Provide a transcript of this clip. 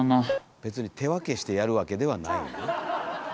別に手分けしてやるわけではないねんね。